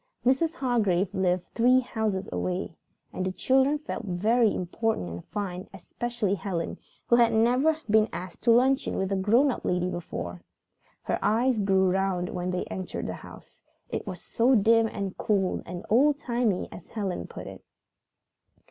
Mrs. Hargrave lived three houses away, and the children felt very important and fine, especially Helen, who had never been asked to luncheon with a grown up lady before. Her eyes grew round when they entered the house. It was so dim and cool and "old timey" as Helen put it.